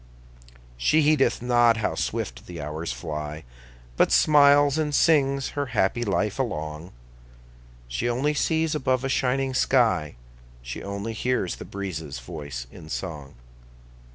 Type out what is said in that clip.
She heedeth not how swift the hours fly, But smiles and sings her happy life along; She only sees above a shining sky; She only hears the breezes' voice in song.